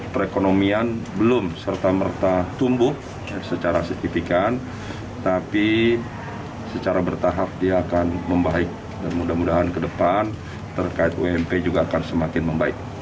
perekonomian belum serta merta tumbuh secara signifikan tapi secara bertahap dia akan membaik dan mudah mudahan ke depan terkait ump juga akan semakin membaik